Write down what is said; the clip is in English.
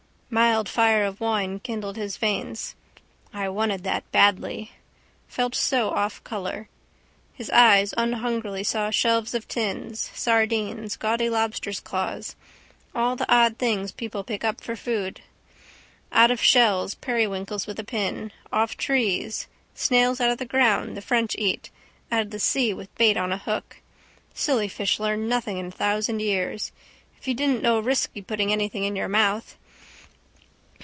Mild fire of wine kindled his veins. I wanted that badly. Felt so off colour. His eyes unhungrily saw shelves of tins: sardines, gaudy lobsters' claws. All the odd things people pick up for food. Out of shells, periwinkles with a pin, off trees, snails out of the ground the French eat, out of the sea with bait on a hook. Silly fish learn nothing in a thousand years. If you didn't know risky putting anything into your mouth.